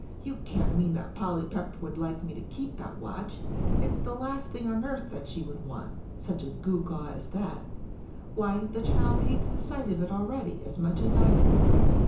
"You can't mean that Polly Pepper would like me to keep that watch. It's the last thing on earth that she would want, such a gewgaw as that. Why, the child hates the sight of it already as much as I do."